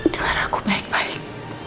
dengar aku baik baik